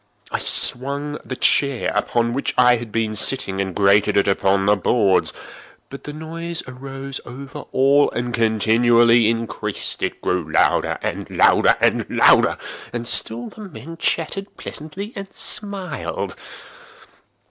I swung the chair upon which I had been sitting, and grated it upon the boards, but the noise arose over all and continually increased. It grew louder—louder—louder! And still the men chatted pleasantly, and smiled.